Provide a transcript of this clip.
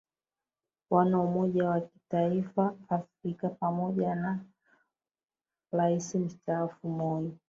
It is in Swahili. wana umoja wa kitaifa Afrika pamoja na rais mstaafu Moi